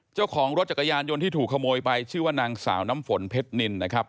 เจ้าของรถจักรยานยนต์ที่ถูกขโมยไปชื่อว่านางสาวน้ำฝนเพชรนินนะครับ